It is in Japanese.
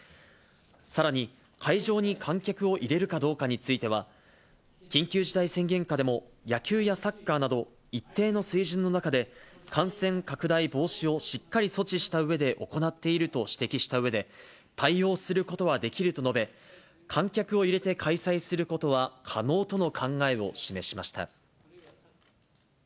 さらに、会場に観客を入れるかどうかについては、緊急事態宣言下でも、野球やサッカーなど、一定の水準の中で、感染拡大防止をしっかり措置したうえで行っていると指摘したうえで、対応することはできると述べ、観客を入れて開催することは可能との考えを示しました。